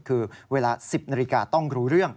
คือเวลา๑๐นาฬิกาต้องรู้เรื่อง